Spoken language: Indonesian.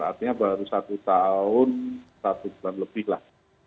artinya baru satu tahun satu bulan lebih lah